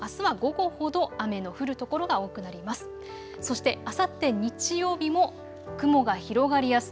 あすは午後ほど雨の降る所が多くなります。